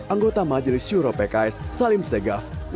anggota majelis syuro pks salim segaf